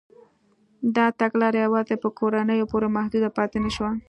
دا تګلاره یوازې په کورنیو پورې محدوده پاتې نه شوه.